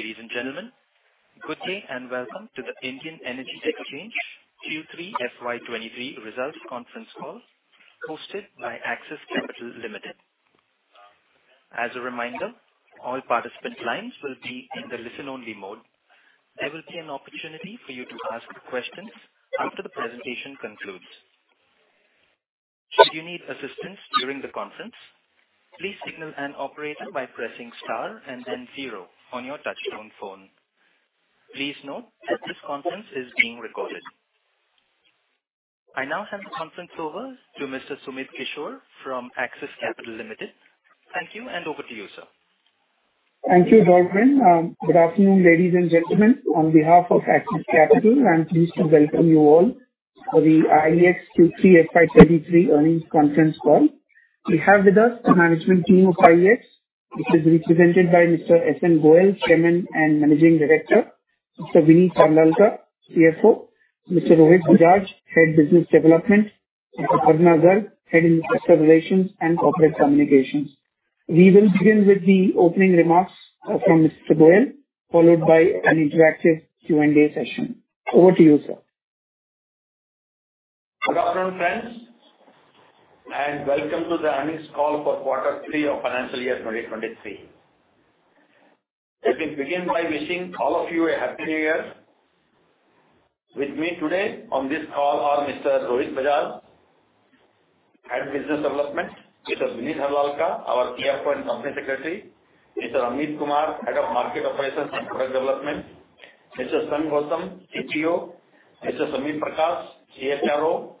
Ladies and gentlemen, good day and welcome to the Indian Energy Exchange Q3 FY 2023 results conference call hosted by Axis Capital Limited. As a reminder, all participant lines will be in the listen-only mode. There will be an opportunity for you to ask questions after the presentation concludes. Should you need assistance during the conference, please signal an operator by pressing star and then zero on your touch-tone phone. Please note that this conference is being recorded. I now hand the conference over to Mr. Sumit Kishore from Axis Capital Limited. Thank you. Over to you, sir. Thank you, Dorian. Good afternoon, ladies and gentlemen. On behalf of Axis Capital, I'm pleased to welcome you all for the IEX Q3 FY 2023 earnings conference call. We have with us the management team of IEX, which is represented by Mr. Satyanarayan Goel, chairman and managing director, Mr. Vineet Harlalka, CFO, Mr. Rohit Bajaj, head business development, Mr. Aparna Garg, head investor relations and corporate communications. We will begin with the opening remarks from Mr. Goel, followed by an interactive Q&A session. Over to you, sir. Good afternoon, friends, and welcome to the earnings call for quarter three of financial year 2023. Let me begin by wishing all of you a Happy New Year. With me today on this call are Mr. Rohit Bajaj, Head Business Development. Mr. Vineet Harlalka, our CFO and Company Secretary. Mr. Amit Kumar, Head of Market Operations and Product Development. Mr. S.N. Goel, CPO. Mr. Samir Prakash, CHRO.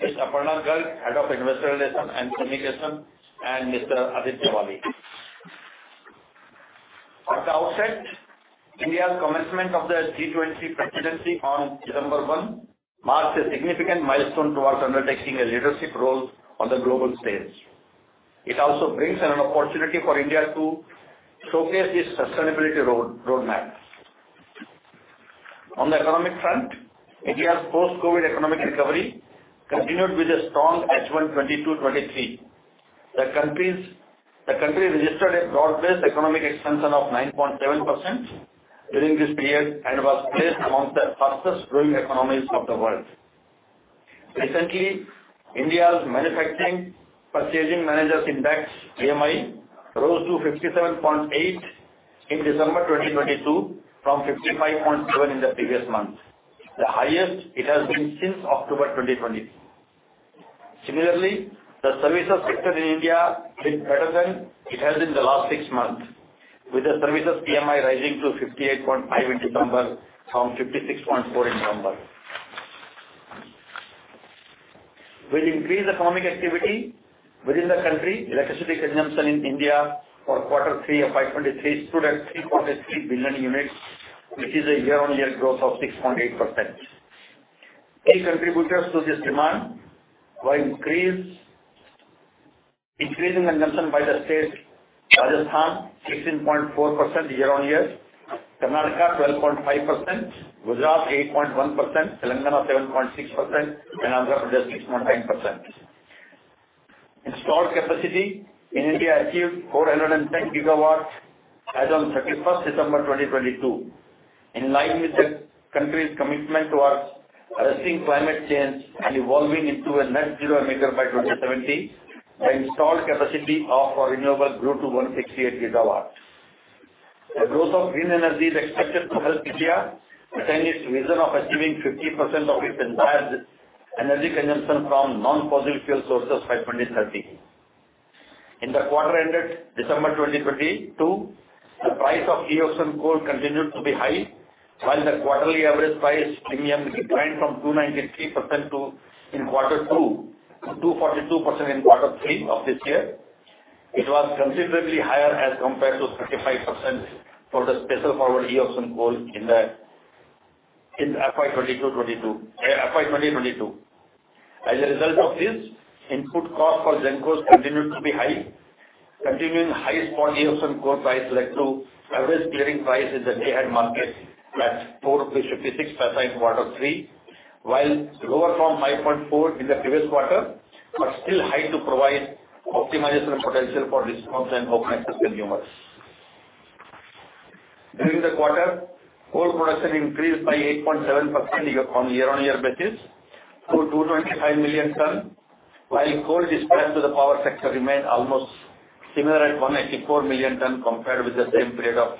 Ms. Aparna Garg, Head of Investor Relations and Communications, and Mr. Aditya Valli. At the outset, India's commencement of the G20 presidency on December 1 marks a significant milestone towards undertaking a leadership role on the global stage. It also brings an opportunity for India to showcase its sustainability roadmap. On the economic front, India's post-COVID economic recovery continued with a strong H1 2022-2023. The country registered a broad-based economic expansion of 9.7% during this period and was placed among the fastest growing economies of the world. Recently, India's manufacturing purchasing managers index, PMI, rose to 57.8 in December 2022 from 55.7 in the previous month, the highest it has been since October 2020. Similarly, the services sector in India did better than it has in the last six months, with the services PMI rising to 58.5 in December from 56.4 in November. With increased economic activity within the country, electricity consumption in India for quarter three of FY 2023 stood at 3.3 billion units, which is a year-on-year growth of 6.8%. Key contributors to this demand were increasing consumption by the states Rajasthan 16.4% year-on-year, Karnataka 12.5%, Gujarat 8.1%, Telangana 7.6%, and Andhra Pradesh 6.5%. Installed capacity in India achieved 410 GW as on 31st December 2022. In line with the country's commitment towards arresting climate change and evolving into a net zero emitter by 2070, the installed capacity of our renewable grew to 168 GW. The growth of green energy is expected to help India attain its vision of achieving 50% of its entire energy consumption from non-fossil fuel sources by 2030. In the quarter ended December 2022, the price of e-auction fuel and coal continued to be high, while the quarterly average price premium declined from 293% in Q2 to 242% in Q3 of this year. It was considerably higher as compared to 35% for the special power e-auction fuel and coal in FY 2022. As a result of this, input cost for GenCos continued to be high. Continuing high spot e-auction fuel and coal price led to average clearing price in the Day Ahead Market at INR 4.56 paisa in Q3, while lower from 9.4 in the previous quarter, but still high to provide optimization potential for DISCOMs and open access consumers. During the quarter, coal production increased by 8.7% year-on-year basis to 225 million tons, while coal dispatched to the power sector remained almost similar at 184 million tons compared with the same period of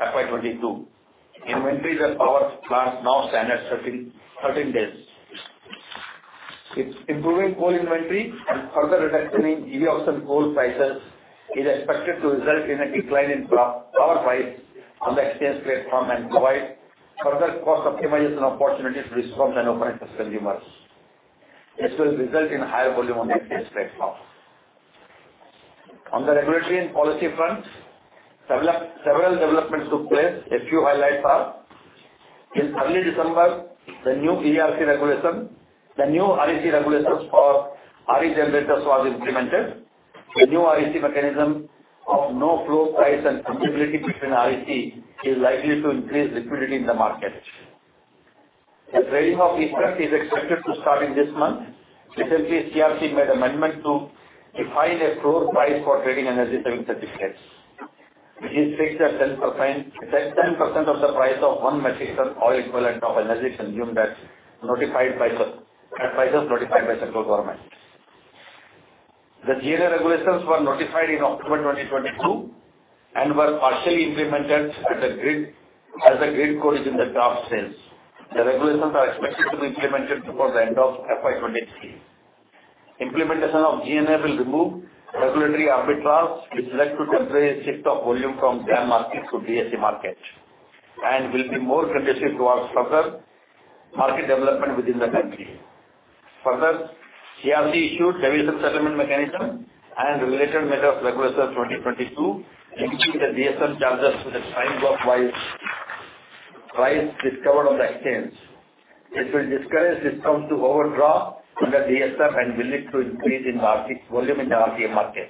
FY2022. Inventories at power plants now stand at 13-days. Improving coal inventory and further reduction in EOS and coal prices is expected to result in a decline in power price on the exchange platform and provide further cost optimization opportunities for DISCOMs and open access consumers. This will result in higher volume on the exchange platform. On the regulatory and policy front, several developments took place. A few highlights are, in early December, the new ERC regulation, the new REC regulations for RE generators was implemented. The new REC mechanism of no floor price and flexibility between REC is likely to increase liquidity in the market. The trading of ESCerts is expected to start in this month. Recently, CERC made amendment to define a floor price for trading Energy Saving Certificates, which is fixed at 10%, at 10% of the price of one metric ton oil equivalent of energy consumed that's notified by the advisors notified by central government. The GNA regulations were notified in October 2022 and were partially implemented at the grid as the grid code is in the draft stage. The regulations are expected to be implemented before the end of FY2023. Implementation of GNA will remove regulatory arbitrage, which led to temporary shift of volume from DAM market to DSM market, and will be more conducive towards further market development within the country. Further, CERC issued revision settlement mechanism and regulation method of regulation 2022, linking the DSM charges to the time of price discovered on the exchange. It will discourage DISCOMs to overdraw under DSM and will lead to increase in market volume in the RTM market.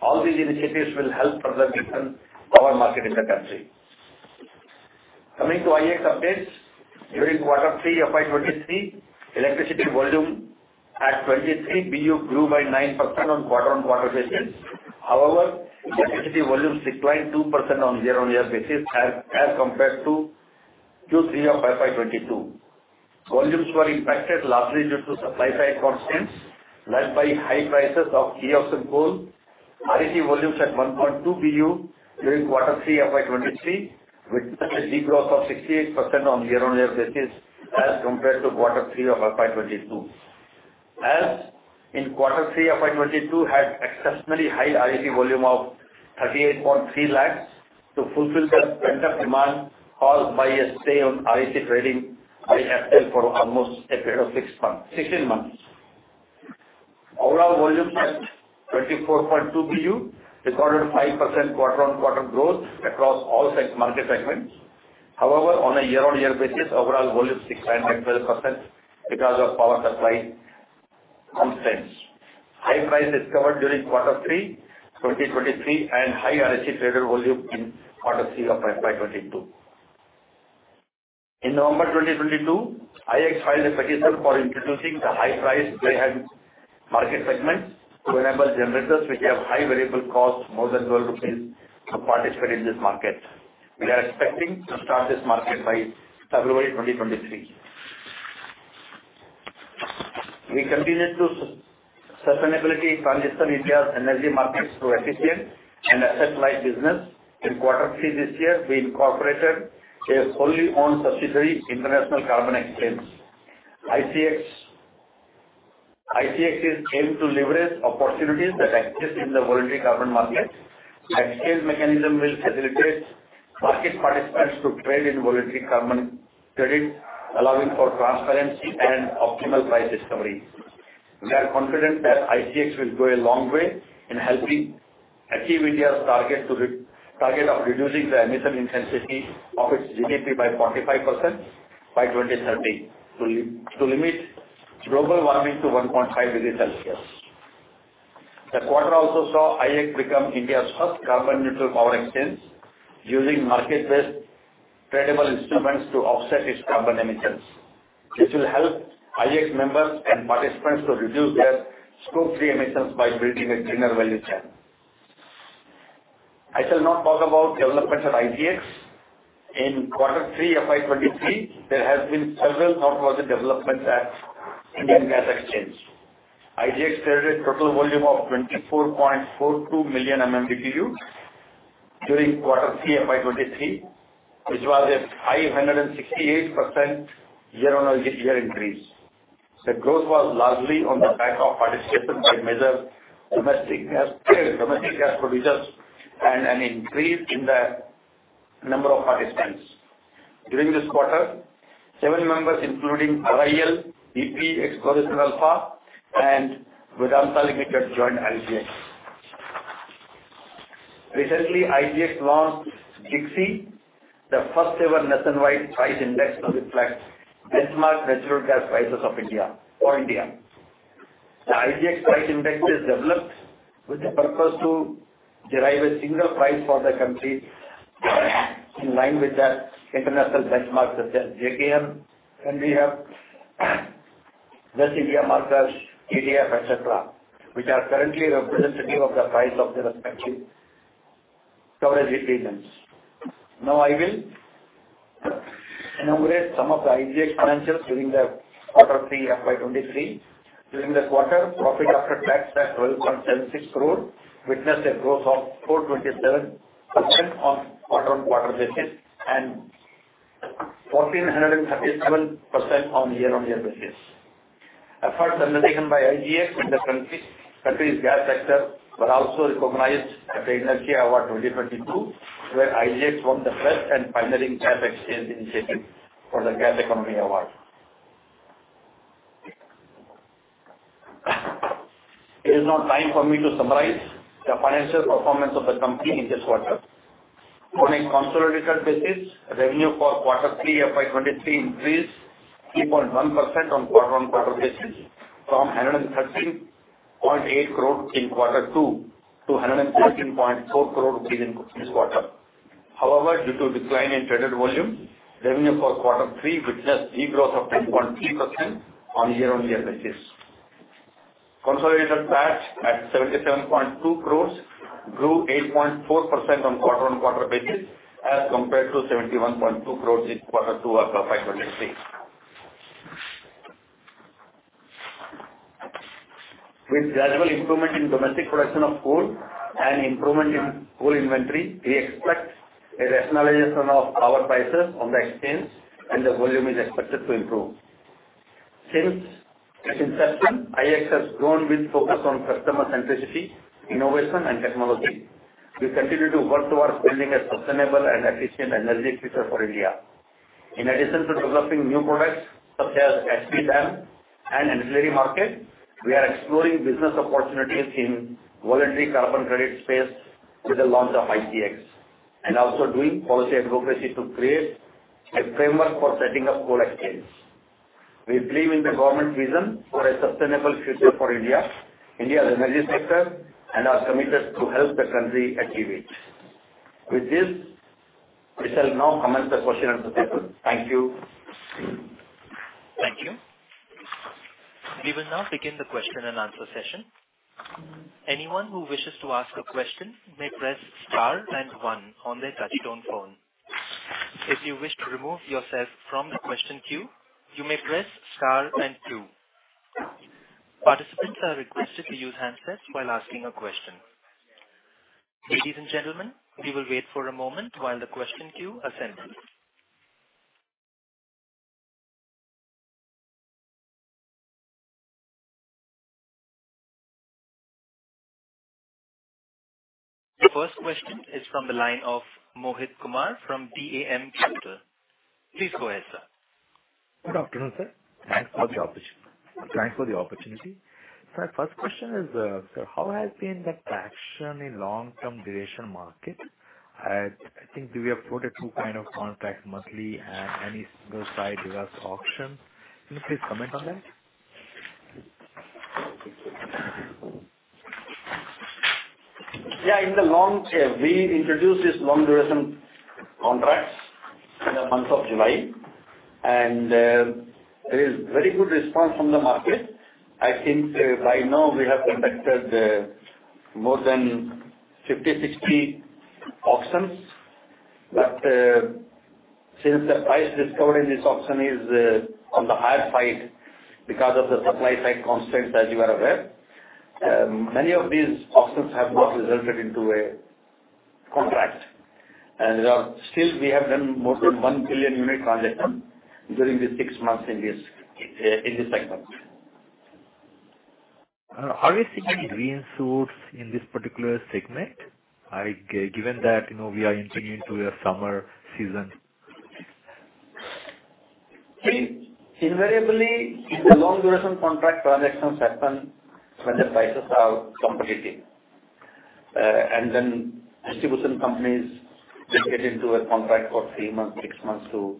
All these initiatives will help further deepen power market in the country. Coming to IEX updates. During quarter three FY 2023, electricity volume at 23 BU grew by 9% on quarter-on-quarter basis. However, electricity volumes declined 2% on year-on-year basis as compared to Q3 of FY 2022. Volumes were impacted largely due to supply side constraints led by high prices of e-auction coal. REC volumes at 1.2 BU during quarter three FY 2023, witnessed a de-growth of 68% on year-on-year basis as compared to quarter three of FY 2022. As in Q3 FY 2022 had exceptionally high REC volume of 38.3 lakhs to fulfill the pent-up demand caused by a stay on REC trading by APTEL for almost a period of 16-months. Overall volumes at 24.2 BU recorded 5% quarter-on-quarter growth across all market segments. However, on a year-on-year basis, overall volumes declined by 12% because of power supply constraints, high price discovered during Q3 2023 and high REC traded volume in Q3 FY 2022. In November 2022, IEX filed a petition for introducing the High Price Day Ahead Market segment to enable generators which have high variable costs more than 12 rupees to participate in this market. We are expecting to start this market by February 2023. We continue to sustainability transition India's energy markets to efficient and asset light business. In quarter three this year, we incorporated a fully owned subsidiary, International Carbon Exchange. ICX is aimed to leverage opportunities that exist in the voluntary carbon market. Exchange mechanism will facilitate market participants to trade in voluntary carbon credit, allowing for transparency and optimal Price Discovery. We are confident that ICX will go a long way in helping achieve India's target to target of reducing the emission intensity of its GDP by 45% by 2030 to limit global warming to 1.5 degree Celsius. The quarter also saw IEX become India's first carbon neutral power exchange, using market-based tradable instruments to offset its carbon emissions. This will help IEX members and participants to reduce their scope three emissions by building a cleaner value chain. I shall now talk about developments at IGX. In quarter three FY 2023, there has been several noteworthy developments at Indian Gas Exchange. IGX traded a total volume of 24.42 million MMBtu during quarter three FY 2023, which was a 568% year-on-year increase. The growth was largely on the back of participation by major domestic gas producers and an increase in the number of participants. During this quarter, seven members, including RIL, BP Exploration Alpha, and Vedanta Limited, joined IGX. Recently, IGX launched GIXI, the first ever nationwide price index to reflect benchmark natural gas prices for India. The IGX price index is developed with the purpose to derive a single price for the country in line with the international benchmarks such as JKM, and we have the CBA markers, PDF, et cetera, which are currently representative of the price of their respective coverage regions. Now I will enumerate some of the IGX financials during the quarter three FY 2023. During the quarter, profit after tax at 12.76 crore witnessed a growth of 427% on quarter-on-quarter basis and 1,437% on year-on-year basis. Efforts undertaken by IGX in the country's gas sector were also recognized at the Energy Award 2022, where IGX won the Best and Pioneering Gas Exchange Initiative for the Gas Economy Award. It is now time for me to summarize the financial performance of the company in this quarter. On a consolidated basis, revenue for Q3 FY 2023 increased 3.1% on a quarter-on-quarter basis from 113.8 crore in Q2 to 113.4 crore in this quarter. However, due to decline in traded volume, revenue for Q3 witnessed de-growth of 10.3% on a year-on-year basis. Consolidated PAT at 77.2 crore grew 8.4% on a quarter-on-quarter basis as compared to 71.2 crore in Q2 of financial year. With gradual improvement in domestic production of coal and improvement in coal inventory, we expect a rationalization of power prices on the exchange and the volume is expected to improve. Since its inception, IEX has grown with focus on customer centricity, innovation and technology. We continue to work towards building a sustainable and efficient energy future for India. In addition to developing new products such as HPDAM and ancillary market, we are exploring business opportunities in voluntary carbon credit space with the launch of ICX and also doing policy advocacy to create a framework for setting up coal exchanges. We believe in the government vision for a sustainable future for India's energy sector and are committed to help the country achieve it. With this, we shall now commence the question and answer session. Thank you. Thank you. We will now begin the question-and-answer session. Anyone who wishes to ask a question may press star and one on their touch-tone phone. If you wish to remove yourself from the question queue, you may press star and two. Participants are requested to use handsets while asking a question. Ladies and gentlemen, we will wait for a moment while the question queue assembles. The first question is from the line of Mohit Kumar from DAM Capital. Please go ahead, sir. Good afternoon, sir. Thanks for the opportunity. My first question is, how has been the traction in long-term duration market? I think we have quoted two kind of contracts monthly and any single site give us auction. Can you please comment on that? Yeah, in the long tail, we introduced these long duration contracts in the month of July. There is very good response from the market. I think by now we have conducted more than 50, 60 auctions. Since the price discovered in this auction is on the higher side because of the supply side constraints, as you are aware, many of these auctions have not resulted into a contract. Still we have done more than 1 billion unit transaction during these six months in this segment. Are we seeing any green shoots in this particular segment? Like, given that, you know, we are entering into a summer season. See, invariably the long duration contract transactions happen when the prices are competitive. Then distribution companies will get into a contract for 3 months, 6 months to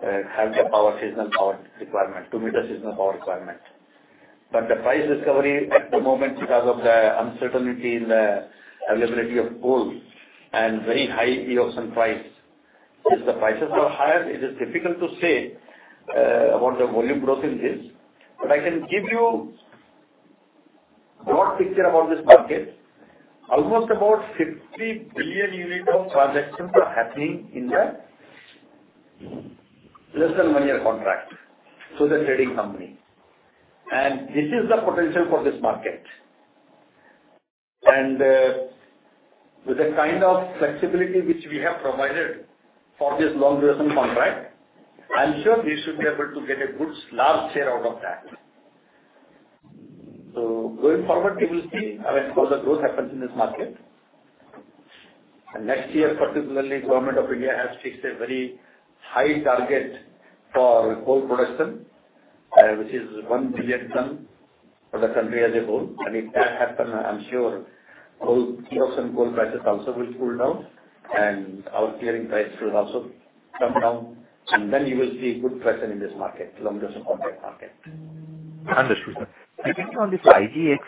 have the power, seasonal power requirement, to meet the seasonal power requirement. The price discovery at the moment because of the uncertainty in the availability of coal and very high EOS and price, since the prices are higher, it is difficult to say about the volume growth in this. I can give you broad picture about this market. Almost about 50 billion units of transactions are happening in the less than one year contract through the trading company. With the kind of flexibility which we have provided for this long duration contract, I'm sure we should be able to get a good large share out of that. Going forward, we will see how the growth happens in this market. Next year, particularly, Government of India has fixed a very high target for coal production, which is 1 billion ton for the country as a whole. If that happen, I'm sure coal prices also will cool down and our clearing price will also come down. Then you will see good traction in this market, long duration contract market. Understood. On this IGX,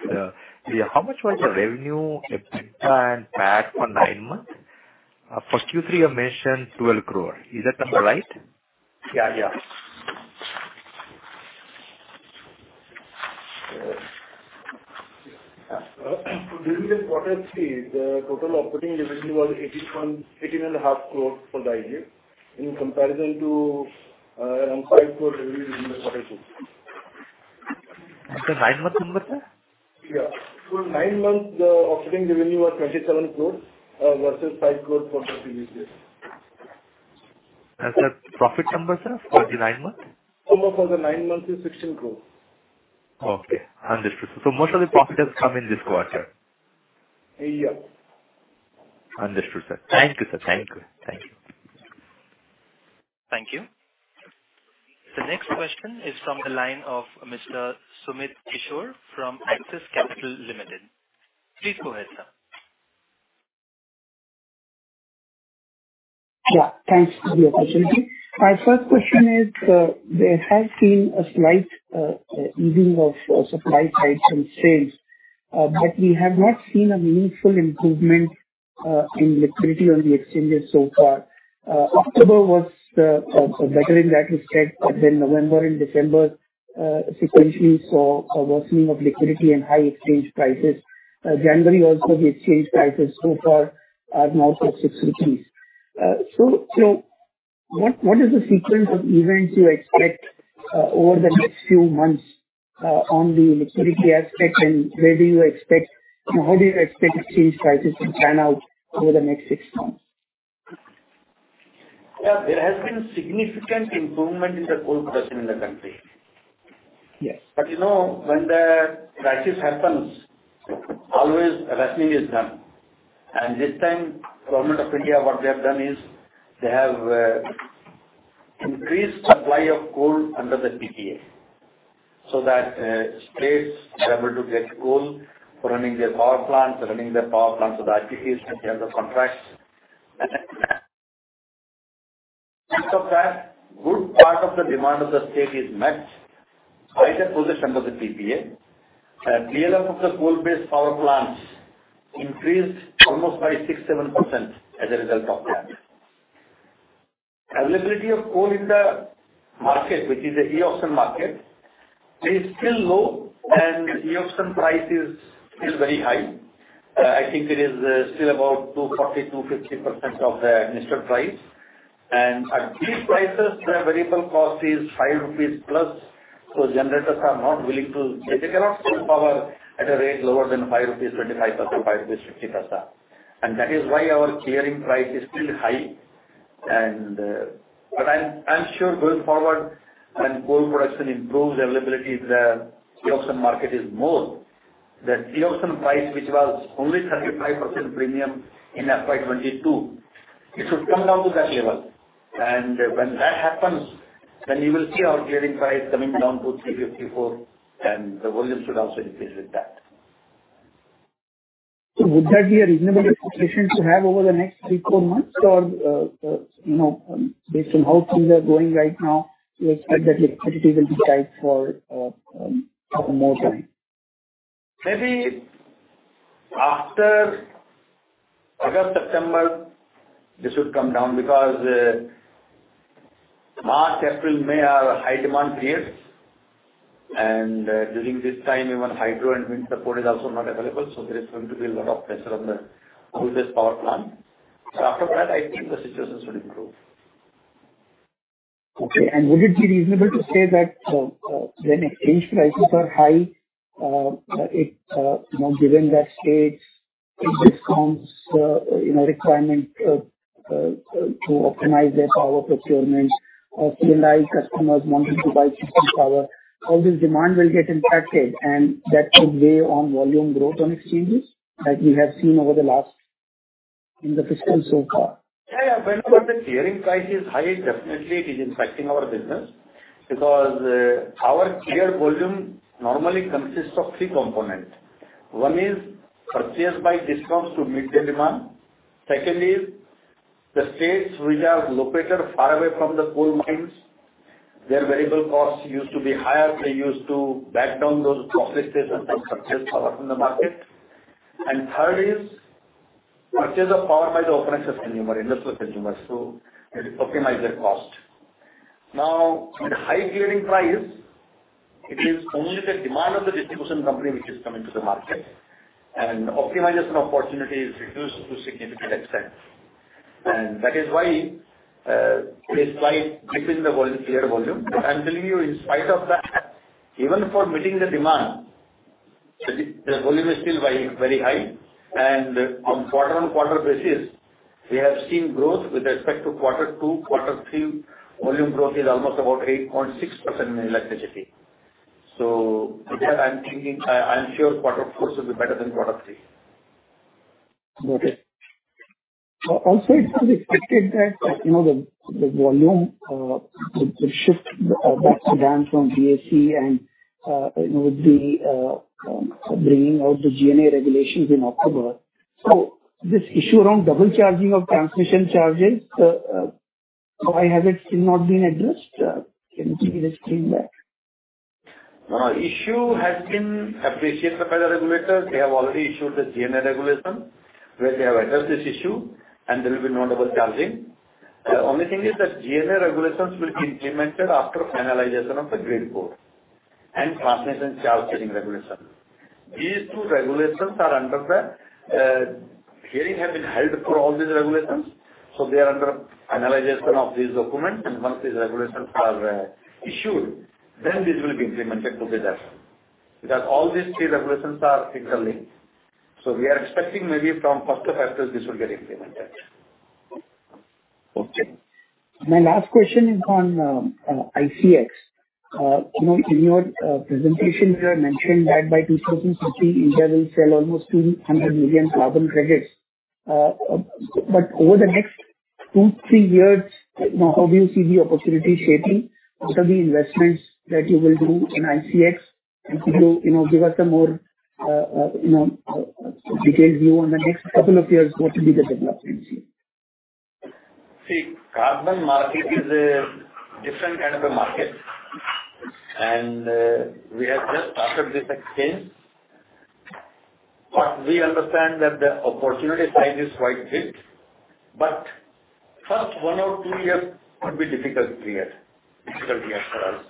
how much was the revenue and PAT for nine months? For Q3 you mentioned 12 crore. Is that number right? Yeah. Yeah. During the quarter three, the total operating revenue was eighteen and a half crore for the IGX. In comparison to 5 crore revenue during the quarter two. After nine months number, sir? Yeah. For nine months, the operating revenue was 27 crore, versus 5 crore for the previous year. As a profit number, sir, for the nine months? Number for the nine months is 16 crore. Okay. Understood. Most of the profit has come in this quarter. Yeah. Understood, sir. Thank you, sir. Thank you. Thank you. Thank you. The next question is from the line of Mr. Sumit Kishore from Axis Capital Limited. Please go ahead, sir. Thanks for the opportunity. My first question is, there has been a slight easing of supply sides and sales, but we have not seen a meaningful improvement in liquidity on the exchanges so far. October was better in that respect, but then November and December sequentially saw a worsening of liquidity and high exchange prices. January also the exchange prices so far are north of 60 INR. What is the sequence of events you expect over the next few months on the liquidity aspect, and how do you expect exchange prices to pan out over the next six months? There has been significant improvement in the coal production in the country. Yes. You know, when the crisis happens, always rationing is done. This time, government of India, what they have done is they have increased supply of coal under the PPA so that states are able to get coal for running their power plants with IPPs which have the contracts. Because of that, good part of the demand of the state is met by the position under the PPA. Clear up of the coal-based power plants increased almost by 6%-7% as a result of that. Availability of coal in the market, which is the e-auction market, is still low, and e-auction price is very high. I think it is still about 240%-250% of the administered price. At these prices, the variable cost is 5 rupees plus, so generators are not willing to... they cannot sell power at a rate lower than 5.25 rupees, 5.50 rupees. That is why our clearing price is still high. I'm sure going forward, when coal production improves availability, the e-auction market is more. The e-auction price, which was only 35% premium in FY 2022, it should come down to that level. When that happens, then you will see our clearing price coming down to 3.54, and the volume should also increase with that. Would that be a reasonable expectation to have over the next three, four months or, you know, based on how things are going right now, you expect that liquidity will be tight for some more time? Maybe after August, September, this should come down because March, April, May are high demand periods and during this time even hydro and wind support is also not available, there is going to be a lot of pressure on the coal-based power plant. After that, I think the situation should improve. Okay. Would it be reasonable to say that, when exchange prices are high, it, you know, given that states DISCOMs, you know, requirement, to optimize their power procurements or finalized customers wanting to buy system power, all this demand will get impacted and that could weigh on volume growth on exchanges as we have seen in the fiscal so far. Yeah, yeah. When the clearing price is high, definitely it is impacting our business because our clear volume normally consists of three components. One is purchase by DISCOMs to meet the demand. Second is the states which are located far away from the coal mines, their variable costs used to be higher. They used to back down those processes and then purchase power from the market. Third is purchase of power by the open access consumer, industrial consumers, so it optimize their cost. Now, with high clearing price, it is only the demand of the distribution company which is coming to the market, and optimization opportunity is reduced to significant extent. That is why we slight dip in the cleared volume. I'm telling you, in spite of that, even for meeting the demand, the volume is still very, very high. On quarter-on-quarter basis, we have seen growth with respect to quarter two, quarter three. Volume growth is almost about 8.6% in electricity. Because I'm thinking, I'm sure quarter four should be better than quarter three. Got it. It is expected that, you know, the volume would shift back to DAM from DAC and, you know, with the bringing out the GNA regulations in October. This issue around double charging of transmission charges, why has it still not been addressed? Can you please explain that? No, no. Issue has been appreciated by the regulators. They have already issued the GNA regulation where they have addressed this issue, and there will be no double charging. The only thing is that GNA regulations will be implemented after finalization of the grid code and transmission charge carrying regulation. These two regulations are under the hearing have been held for all these regulations, so they are under finalization of these documents. Once these regulations are issued, then this will be implemented together. All these three regulations are interlinked. We are expecting maybe from first of April this will get implemented. Okay. My last question is on, ICX. You know, in your presentation you had mentioned that by 2050, India will sell almost 200 million carbon credits. Over the next two to three years, you know, how do you see the opportunity shaping? What are the investments that you will do in ICX? Could you know, give us a more you know, between you and the next couple of years, what will be the developments? Carbon market is a different kind of a market and we have just started this exchange. We understand that the opportunity size is quite big, but first one or two years could be difficult period for us.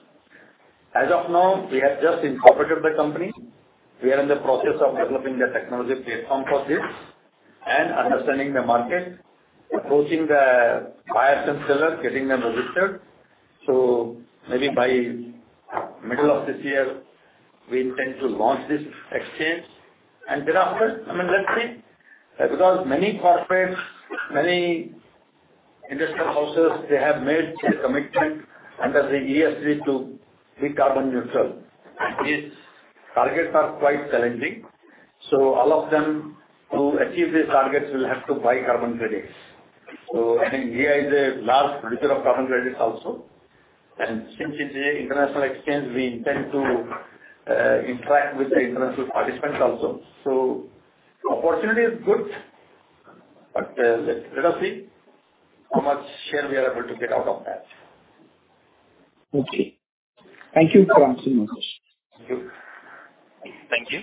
As of now, we have just incorporated the company. We are in the process of developing the technology platform for this and understanding the market, approaching the buyers and sellers, getting them registered. Maybe by middle of this year, we intend to launch this exchange. Thereafter, I mean, let's see, because many corporates, many industrial houses, they have made their commitment under the ESG to be carbon neutral. These targets are quite challenging, all of them to achieve these targets will have to buy carbon credits. I think India is a large producer of carbon credits also. Since it's an international exchange, we intend to interact with the international participants also. Opportunity is good, but let us see how much share we are able to get out of that. Okay. Thank you for answering my question. Thank you. Thank you.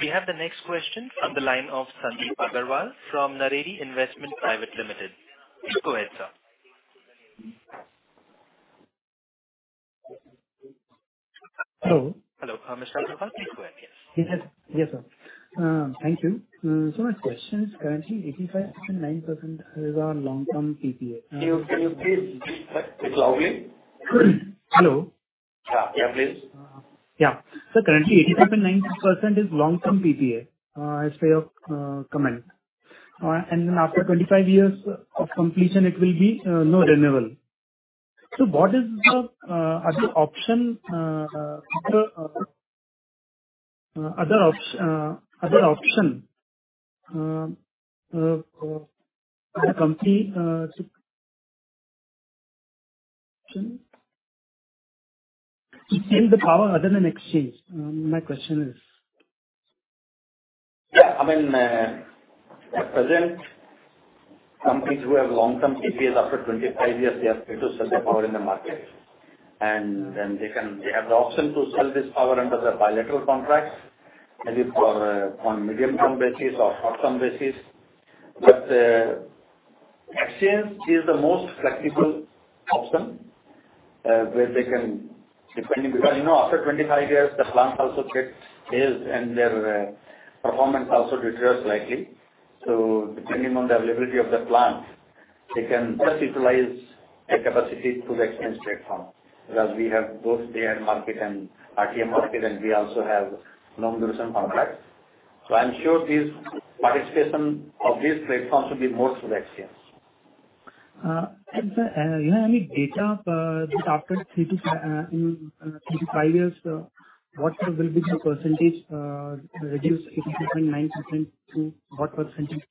We have the next question from the line of Sandeep Aggarwal from Naredi Investment Private Limited. Please go ahead, sir. Hello? Hello. Mr. Aggarwal, please go ahead. Yes. Yes. Yes, sir. Thank you. My question is currently 85.9% is on long-term PPA. Can you please speak, sir, bit loudly? Hello? Yeah. Yeah, please. Yeah. Currently 85.9% is long-term PPA, as per your comment. After 25-years of completion, it will be no renewable. What is the other option for the company to sell the power other than exchange? My question is. I mean, at present, companies who have long-term PPAs after 25-years, they are free to sell their power in the market. Then they have the option to sell this power under the bilateral contracts, maybe for on medium-term basis or short-term basis. Exchange is the most flexible option where they can. You know, after 25-years the plants also get aged and their performance also deteriorates likely. Depending on the availability of the plant, they can best utilize their capacity through the exchange platform. We have both Day Ahead Market and RTM market, and we also have long-duration contracts. I'm sure this participation of these platforms will be more through the exchange. Sir, you have any data that after three to five years, what will be the percentage reduce 85.9% to what percentage?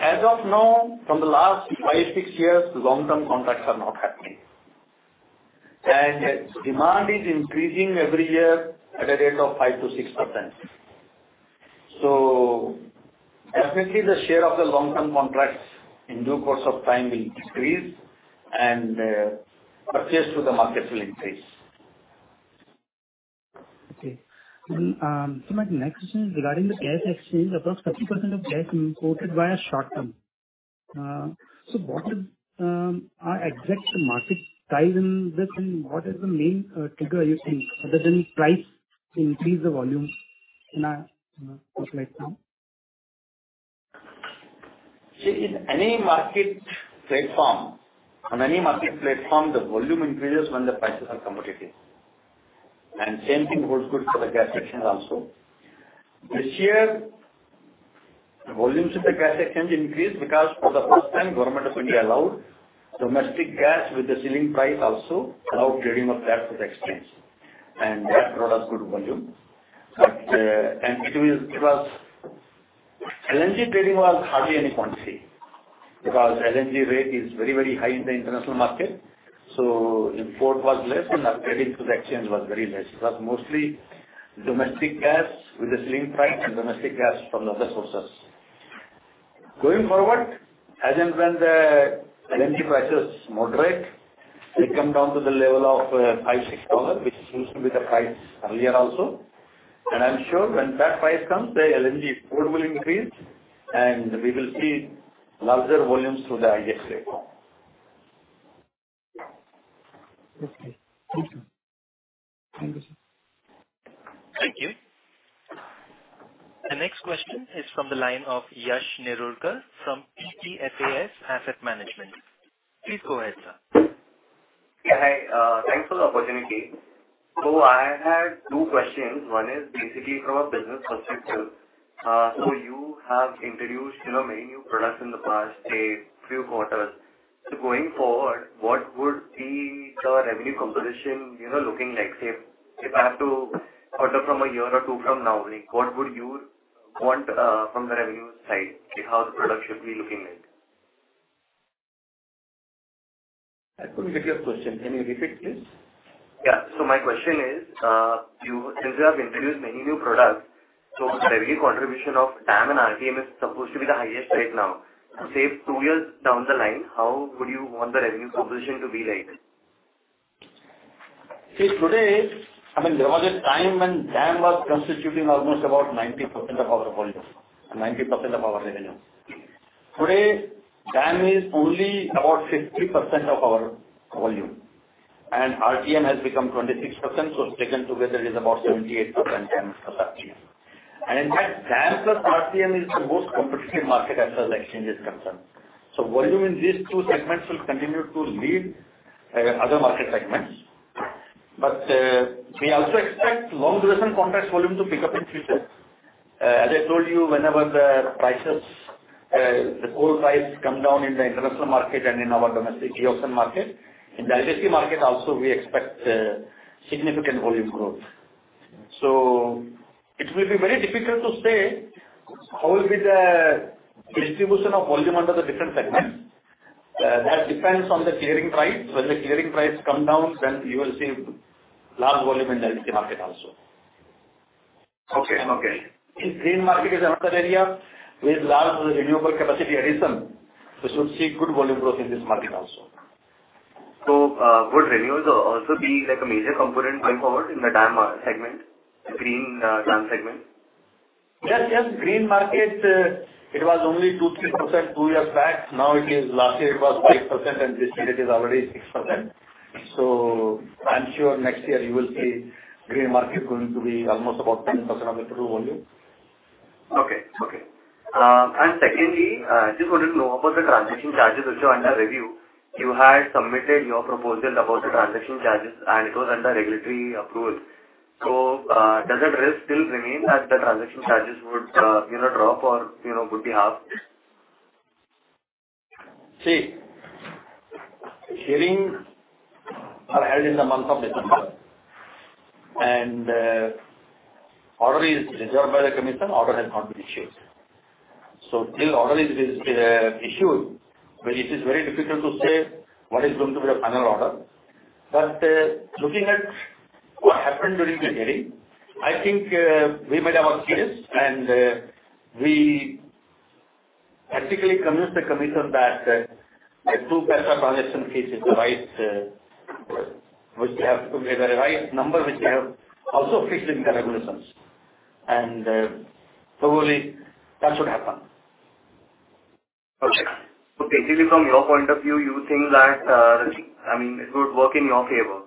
As of now, from the last 5-6 years, long-term contracts are not happening. Demand is increasing every year at a rate of 5%-6%. Definitely the share of the long-term contracts in due course of time will increase and purchase through the market will increase. Okay. My next question is regarding the gas exchange. About 30% of gas imported via short-term. What is the exact market size in this and what is the main trigger you think other than price to increase the volume in a, you know, close right now? See, in any market platform, on any market platform, the volume increases when the prices are competitive, and same thing holds good for the gas section also. This year, volumes of the gas exchange increased because for the first time Government of India allowed domestic gas with the ceiling price also, allowed trading of that through the exchange. That brought us good volume. LNG trading was hardly any quantity, because LNG rate is very, very high in the international market, so import was less and our trading through the exchange was very less. It was mostly domestic gas with the ceiling price and domestic gas from the other sources. Going forward, as and when the LNG prices moderate, they come down to the level of, $5-$6, which used to be the price earlier also. I'm sure when that price comes, the LNG import will increase, and we will see larger volumes through the IGX platform. Okay. Thank you. Thank you, sir. Thank you. The next question is from the line of Yash Jurulkar from HDFC Asset Management. Please go ahead, sir. Yeah, hi, thanks for the opportunity. I had two questions. One is basically from a business perspective. You have introduced, you know, many new products in the past, say, few quarters. Going forward, what would be the revenue composition, you know, looking like? Say, if I have to order from a year or two from now, what would you want from the revenue side? How the product should be looking like? I couldn't get your question. Can you repeat, please? Yeah. My question is, since you have introduced many new products, so the revenue contribution of DAM and RTM is supposed to be the highest right now. Say two years down the line, how would you want the revenue composition to be like? I mean, there was a time when DAM was constituting almost about 90% of our volume and 90% of our revenue. Today, DAM is only about 50% of our volume, RTM has become 26%. Taken together is about 78% DAM plus RTM. In fact, DAM plus RTM is the most competitive market as far as exchange is concerned. Volume in these two segments will continue to lead other market segments. We also expect long-duration contract volume to pick up in future. As I told you, whenever the prices, the coal price come down in the international market and in our domestic e-auction market, in the RST market also we expect significant volume growth. It will be very difficult to say how will be the distribution of volume under the different segments. That depends on the clearing price. When the clearing price come down, then you will see large volume in the RST market also. Okay. Okay. In green market is another area with large renewable capacity addition. We should see good volume growth in this market also. Would renewals also be like a major component going forward in the DAM segment, the green DAM segment? Yes. Green market, it was only 2%-3% two years back. Last year it was 5%, and this year it is already 6%. I'm sure next year you will see green market going to be almost about 10% of the total volume. Okay. Secondly, just wanted to know about the transaction charges which are under review. You had submitted your proposal about the transaction charges and it was under regulatory approval. Does that risk still remain that the transaction charges would, you know, drop or, you know, would be halved? Hearing are held in the month of December. Order is reserved by the commission. Order has not been issued. Till order is issued, well, it is very difficult to say what is going to be the final order. Looking at what happened during the hearing, I think, we made our case and we practically convinced the commission that a 2% of projection case is the right, which we have to be at the right number, which we have also fixed in the regulations. Probably that should happen. Okay. Basically from your point of view, you think that, I mean, it would work in your favor?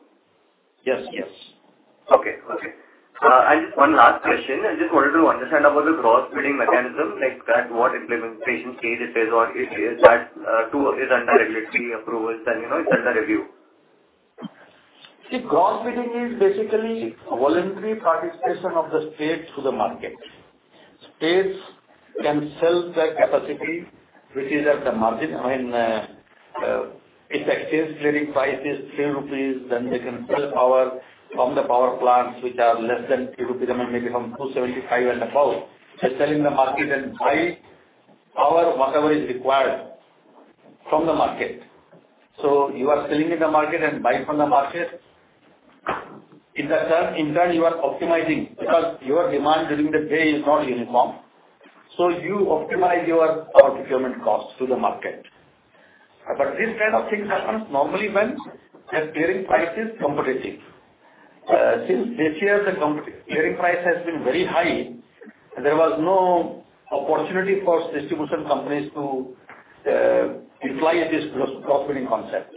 Yes. Yes. Okay. Okay. Just one last question. I just wanted to understand about the gross bidding mechanism, like at what implementation stage it is or it is under regulatory approvals and, you know, it's under review. Gross bidding is basically voluntary participation of the states to the market. States can sell their capacity, which is at the margin. I mean, if the exchange clearing price is 3 rupees, they can sell power from the power plants which are less than 3 rupees, maybe from 2.75 and above. They sell in the market and buy power whatever is required from the market. You are selling in the market and buying from the market. In that turn, in turn you are optimizing because your demand during the day is not uniform. You optimize your power procurement cost to the market. This kind of thing happens normally when the clearing price is competitive. Since this year the clearing price has been very high, there was no opportunity for distribution companies to apply this gross bidding concept.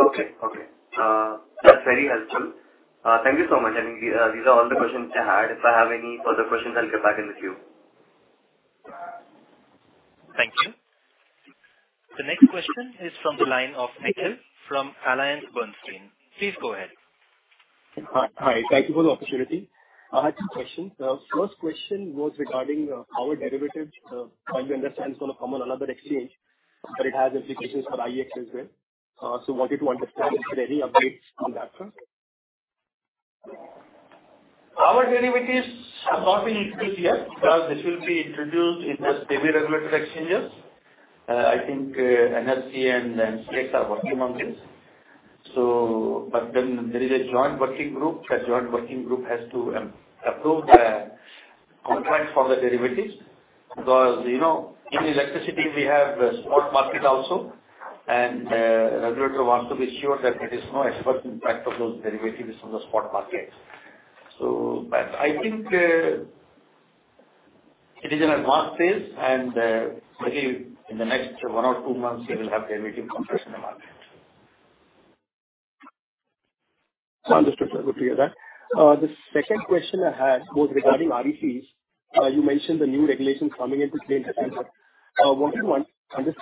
Okay. Okay. That's very helpful. Thank you so much. I mean, these are all the questions I had. If I have any further questions, I'll get back in with you. Thank you. The next question is from the line of Nikhil from AllianceBernstein. Please go ahead. Hi. Hi. Thank you for the opportunity. I had two questions. First question was regarding power derivatives. My understanding is it's gonna come on another exchange, but it has implications for IEX as well. Wanted to understand if there are any updates on that front. Power derivatives are not released as yet because this will be introduced in the semi-regulated exchanges. I think, NRC and states are working on this. There is a joint working group. That joint working group has to approve the contracts for the derivatives because, you know, in electricity we have the spot market also, and regulator wants to be sure that there is no adverse impact of those derivatives on the spot market. I think, it is in advanced phase and, maybe in the next one or two months we will have derivative contracts in the market. Understood. Good to hear that. The second question I had was regarding RECs. You mentioned the new regulations coming into play in December. Wanted to understand that, you know, the regulation allows power traders also to participate in RECs. Did that have an impact on November volumes, and could it have an impact on future volumes on RECs? I don't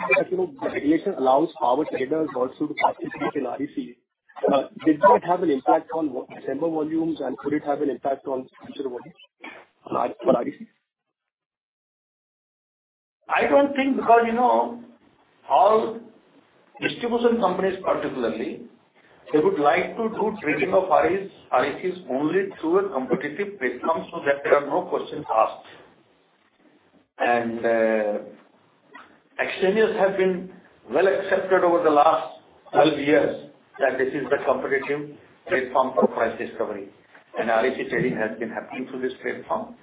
think because all Distribution Companies particularly, they would like to do trading of RECs only through a competitive platform so that there are no questions asked. Exchanges have been well accepted over the last 12 years that this is the competitive platform for Price Discovery, and REC trading has been happening through this platform.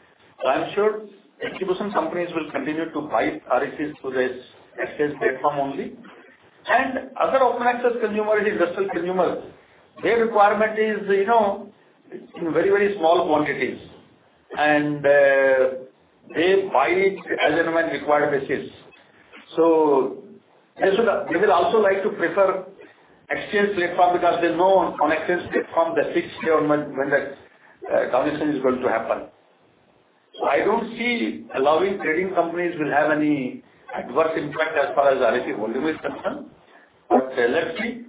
I'm sure execution companies will continue to buy RECs through this exchange platform only. Other open access consumer is industrial consumers. Their requirement is in very, very small quantities and they buy it as and when required basis. They will also like to prefer exchange platform because there's no connection platform that fixed government when that transaction is going to happen. I don't see allowing trading companies will have any adverse impact as far as REC volume is concerned. Let's see.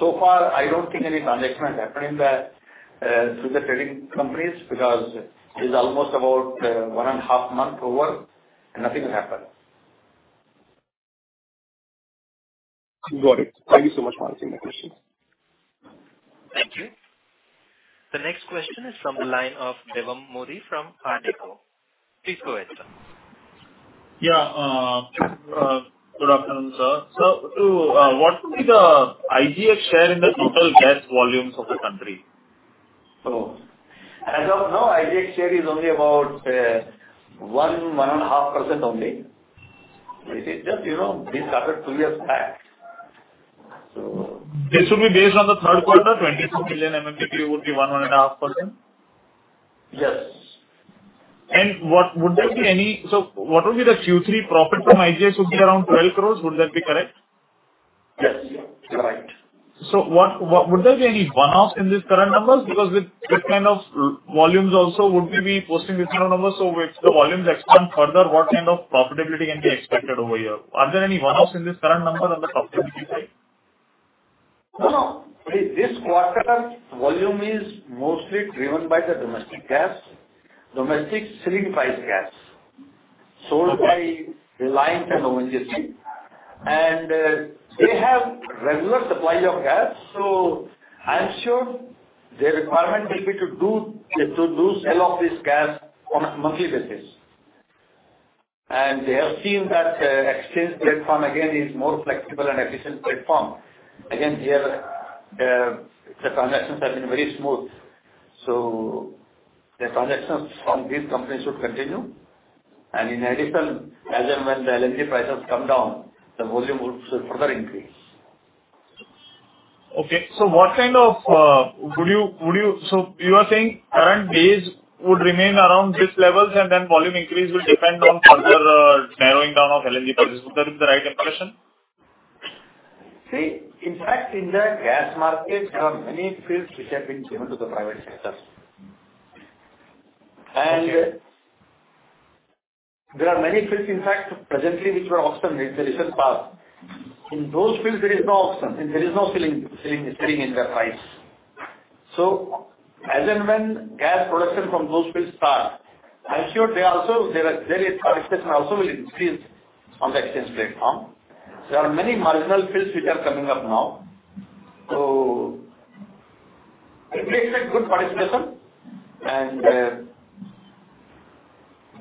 So far, I don't think any transaction has happened in the through the trading companies because it is almost about one and a half month over, nothing has happened. Got it. Thank you so much for answering my questions. Thank you. The next question is from the line of Devam Modi from Kotak. Please go ahead, sir. Yeah. Good afternoon, sir. What will be the IGX share in the total gas volumes of the country? As of now, IGX share is only about 1.5% only. It is just, you know, this quarter two years back. This would be based on the third quarter, 22 million MMBtu would be 1.5%? Yes. What would be the Q3 profit from IGX would be around 12 crores, would that be correct? Yes. You're right. What would there be any one-offs in this current numbers because with kind of volumes also would we be posting this kind of numbers? If the volumes expand further, what kind of profitability can be expected over here? Are there any one-offs in this current numbers and the subsequent years? No, no. This quarter volume is mostly driven by the domestic gas, domestic ceiling price gas sold by Reliance and ONGC. They have regular supply of gas, so I'm sure their requirement will be to do sell of this gas on a monthly basis. They have seen that exchange platform again is more flexible and efficient platform. Again, here, the transactions have been very smooth, so the transactions from these companies should continue. In addition, as and when the LNG prices come down, the volume would further increase. Okay. What kind of... Would you... You are saying current base would remain around this levels and then volume increase will depend on further narrowing down of LNG prices. Would that be the right impression? In fact, in the gas markets, there are many fields which have been given to the private sectors. There are many fields, in fact, presently which were auctioned in the recent past. In those fields there is no auction and there is no ceiling in their price. As and when gas production from those fields start, I'm sure they also, there is participation also will increase on the exchange platform. There are many marginal fields which are coming up now. I expect good participation.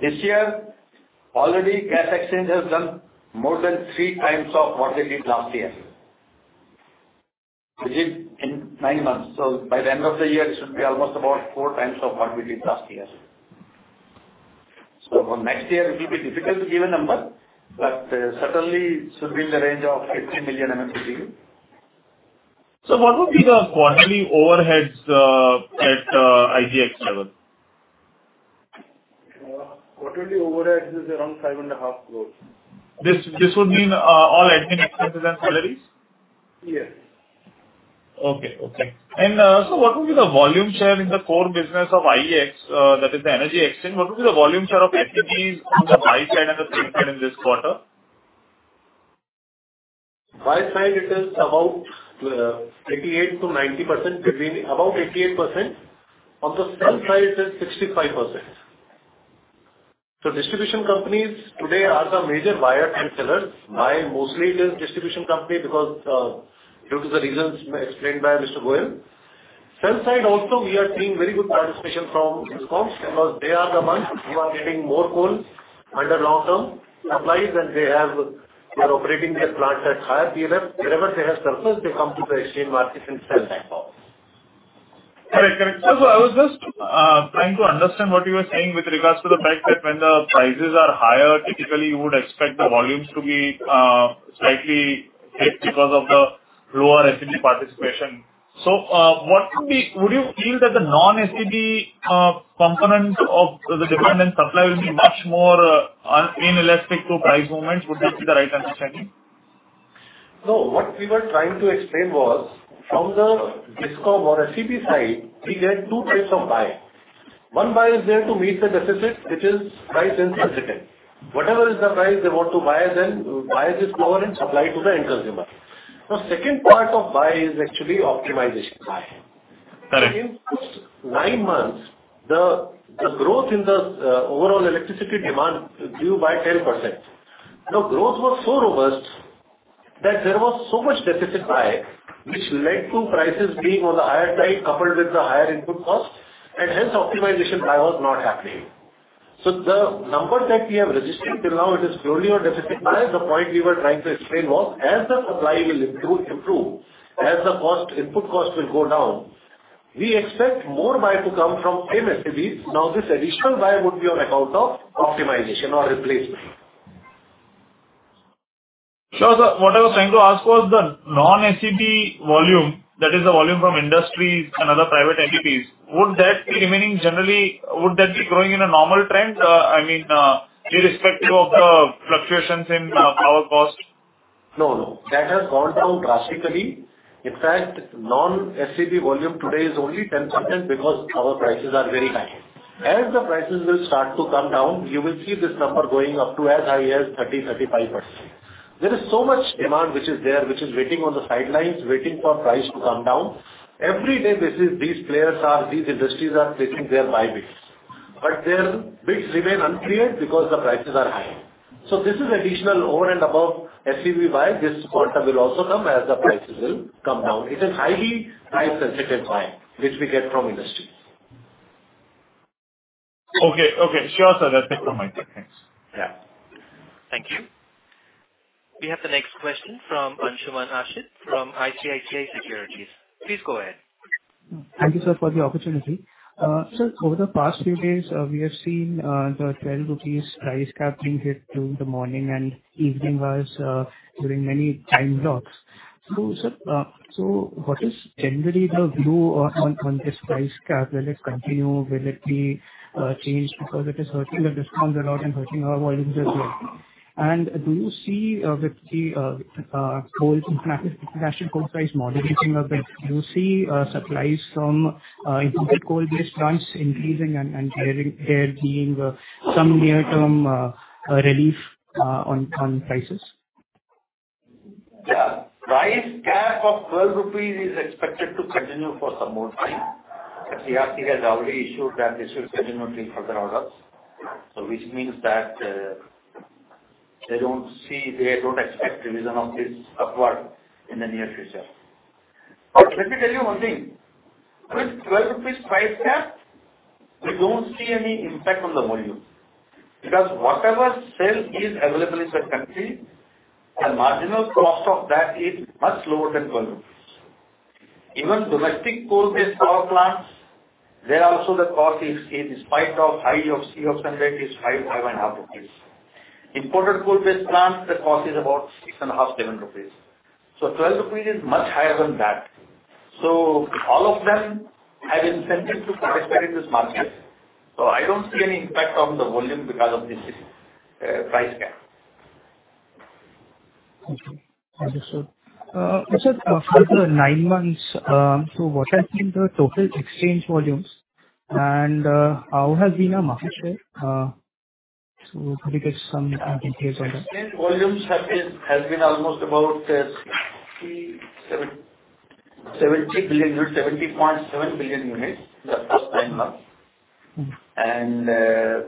This year already Gas Exchange has done more than three times of what we did last year. Which in nine months. By the end of the year, it should be almost about four times of what we did last year. For next year it will be difficult to give a number, but certainly it should be in the range of 50 million MMBtu. What would be the quarterly overheads at IGX level? Quarterly overhead is around 5.5 crore. This would mean all admin expenses and salaries? Yes. Okay. Okay. What would be the volume share in the core business of IEX, that is the energy exchange, what would be the volume share of FPIs on the buy side and the sell side in this quarter? Buy side it is about 80%-90%, between about 88%. On the sell side it is 65%. Distribution companies today are the major buyers and sellers. Buy mostly it is distribution company because due to the reasons explained by Mr. Goyal. Sell side also we are seeing very good participation from DISCOMs because they are the ones who are getting more coal under long-term supplies and they are operating their plants at higher TLF. Wherever they have surplus, they come to the exchange market and sell that power. Correct. Correct. I was just trying to understand what you were saying with regards to the fact that when the prices are higher, typically you would expect the volumes to be slightly hit because of the lower FPI participation. Would you feel that the non-FPI components of the dependent supply will be much more inelastic to price movements? Would that be the right understanding? No. What we were trying to explain was from the DISCOM or FPI side, we get two types of buy. One buy is there to meet the deficit, which is price insensitive. Whatever is the price they want to buy, then buyers is lower and supply to the end consumer. Second part of buy is actually optimization buy. In first nine months, the growth in the overall electricity demand grew by 10%. Growth was so robust that there was so much deficit buy, which led to prices being on the higher side, coupled with the higher input cost and hence optimization buy was not happening. The number that we have registered till now, it is purely on deficit buy. The point we were trying to explain was, as the supply will improve, as the cost, input cost will go down, we expect more buy to come from same SEBs. This additional buy would be on account of optimization or replacement. Sure, sir. What I was trying to ask was the non-SEB volume, that is the volume from industries and other private entities, would that be growing in a normal trend? I mean, irrespective of the fluctuations in power cost? No, no. That has gone down drastically. In fact, non-SEB volume today is only 10% because our prices are very high. As the prices will start to come down, you will see this number going up to as high as 30%-35%. There is so much demand which is there, which is waiting on the sidelines, waiting for price to come down. Every day, these industries are placing their buy bids. Their bids remain unclear because the prices are high. This is additional over and above SEB buy. This quota will also come as the prices will come down. It's a highly price-sensitive buy which we get from industries. Okay. Okay. Sure, sir. That's it from my side. Thanks. Yeah. Thank you. We have the next question from Anshuman Ashit from ICICI Securities. Please go ahead. Thank you, sir, for the opportunity. Sir, over the past few days, we have seen the 12 rupees price cap being hit during the morning and evening hours during many time blocks. Sir, what is generally the view on this price cap? Will it continue? Will it be changed because it is hurting the DISCOMs a lot and hurting our volumes as well? Do you see with the national coal price moderating a bit, do you see supplies from imported coal-based plants increasing and there being some near-term relief on prices? The price cap of 12 rupees is expected to continue for some more time. CERC has already issued that this will continue till further orders. Which means that, they don't see, they don't expect revision of this upward in the near future. Let me tell you one thing. With 12 rupees price cap, we don't see any impact on the volume. Because whatever sale is available in the country, the marginal cost of that is much lower than 12 rupee. Even domestic coal-based power plants, there also the cost is, in spite of high C, ox rate is 5.5 rupees. Imported coal-based plants, the cost is about 6.5-7 rupees. 12 rupees is much higher than that. All of them have incentive to participate in this market, so I don't see any impact on the volume because of this, price cap. Okay. Understood. sir, for the nine months, what has been the total exchange volumes and, how has been our market share? Could you give some details on that? Exchange volumes has been almost about 70.7 billion units the first 9 months. Mm-hmm.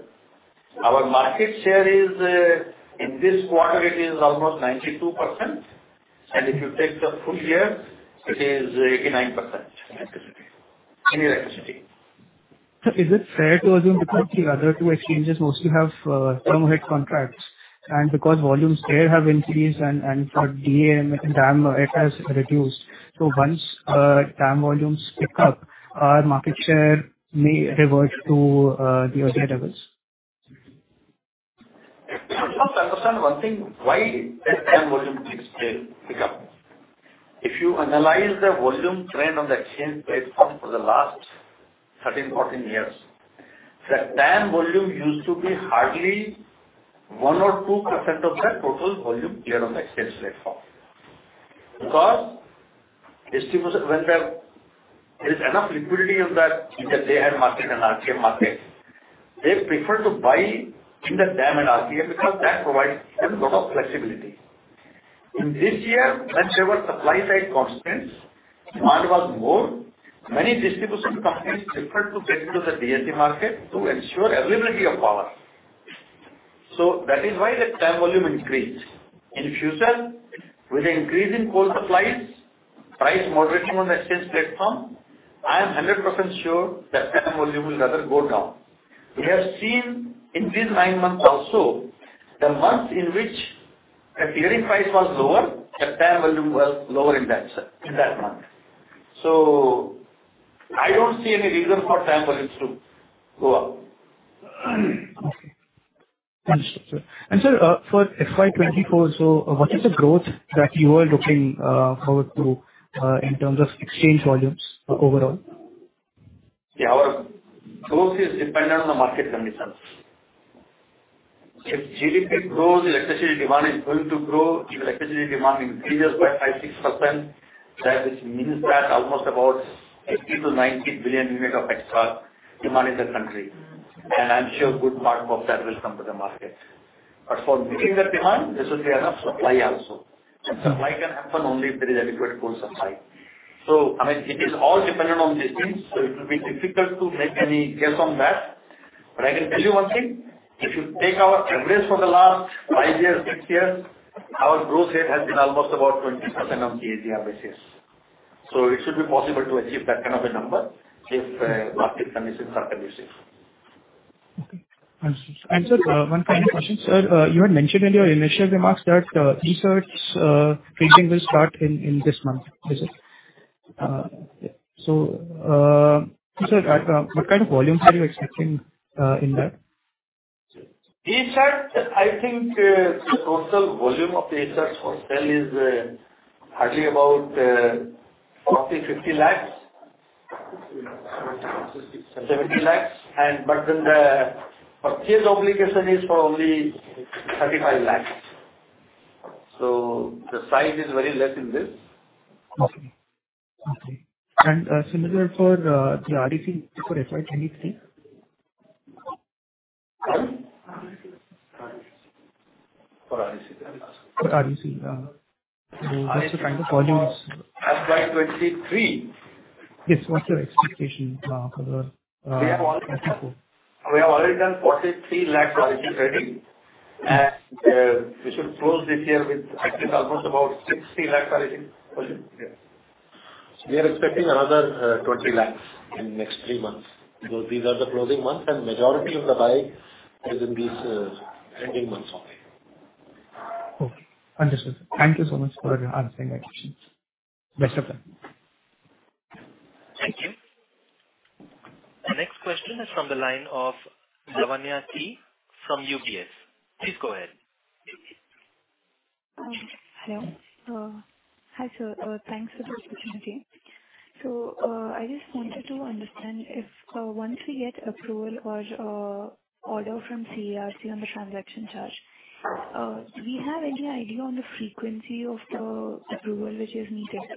Our market share is in this quarter it is almost 92%. If you take the full year, it is 89% electricity. In electricity. Sir, is it fair to assume because the other two exchanges mostly have term ahead contracts, and because volumes there have increased and for DAM and DAM, it has reduced. Once DAM volumes pick up, our market share may revert to the earlier levels. You must understand one thing, why did DAM volume pick up? If you analyze the volume trend on the exchange platform for the last 13, 14-years, the DAM volume used to be hardly 1% or 2% of the total volume cleared on the exchange platform. Distributors, when there is enough liquidity on the Day Ahead Market and RTM market, they prefer to buy in the DAM and RTM because that provides them lot of flexibility. In this year, whenever supply side constraints, demand was more, many distribution companies preferred to get into the DAM market to ensure availability of power. That is why the DAM volume increased. In future, with the increase in coal supplies, price moderation on exchange platform, I am 100% sure that DAM volume will rather go down. We have seen in these nine months also, the months in which the clearing price was lower, the DAM volume was lower in that, sir, in that month. I don't see any reason for DAM volumes to go up. Okay. Understood, sir. Sir, for FY 2024, what is the growth that you are looking forward to in terms of exchange volumes overall? Yeah. Our growth is dependent on the market conditions. If GDP grows, electricity demand is going to grow. If electricity demand increases by 5%-6%, that means that almost about 80 billion-90 billion unit of extra demand in the country. I'm sure good part of that will come to the market. But for meeting that demand, there should be enough supply also. Supply can happen only if there is adequate coal supply. I mean, it is all dependent on these things, so it will be difficult to make any guess on that. I can tell you one thing, if you take our average for the last five years, six years, our growth rate has been almost about 20% on CAGR basis. It should be possible to achieve that kind of a number if market conditions are conducive. Okay. Understood. Sir, one final question. Sir, you had mentioned in your initial remarks that ESCerts trading will start in this month. Is it? Sir, at what kind of volumes are you expecting in that? ESCerts, I think, the total volume of the ESCerts for sale is hardly about 40-50 lakhs. 60 lakhs. 70 lakhs. The purchase obligation is for only INR 35 lakhs. The size is very less in this. Okay. Okay. Similar for the REC for FY 2023? For REC. For REC, yeah. What's the kind of volumes? As by 2023... Yes. What's your expectation for the FY 2024? We have already done 43 lakh REC ready, and we should close this year with at least almost about 60 lakh REC. Yes. We are expecting another, INR 20 lakhs in next three months. These are the closing months. Majority of the buy is in these trending months only. Okay. Understood. Thank you so much for answering my questions. Best of luck. Thank you. The next question is from the line of Lavanya Yerramaneni from UBS. Please go ahead. Hello. Hi, sir. Thanks for this opportunity. I just wanted to understand if, once we get approval or order from CERC on the transaction charge, do we have any idea on the frequency of the approval which is needed